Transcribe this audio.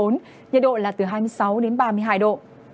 nhiệt độ là từ hai mươi sáu đến ba mươi hai độ